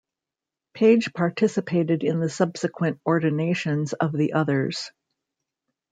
Page participated in the subsequent ordinations of the others.